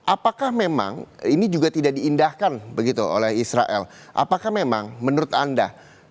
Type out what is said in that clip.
apakah memang ini juga tidak diindahkan begitu oleh israel apakah memang menurut anda